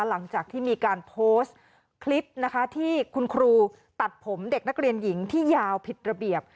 หลังจากที่มีการโพสต์คลิปนะคะที่คุณครูตัดผมเด็กนักเรียนหญิงที่ยาวผิดระเบียบ